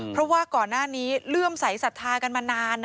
เพราะว่าก่อนหน้านี้เลื่อมใสสัทธากันมานาน